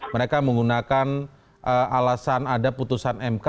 mereka menggunakan alasan ada putusan mk